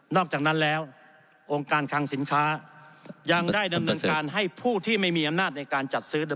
อกจากนั้นแล้วองค์การคังสินค้ายังได้ดำเนินการให้ผู้ที่ไม่มีอำนาจในการจัดซื้อ